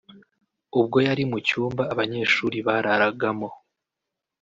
ubwo yari mu cyumba abanyeshuri bararagamo